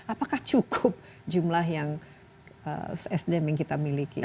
apakah cukup jumlah yang sdm yang kita miliki